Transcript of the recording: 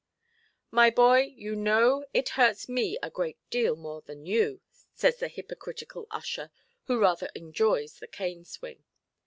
"My boy, you know it hurts me a great deal more than you", says the hypocritical usher, who rather enjoys the cane–swing.